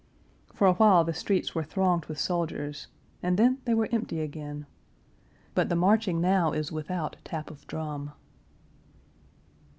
For a while the streets were thronged with soldiers and then they were empty again. But the marching now is without tap of drum.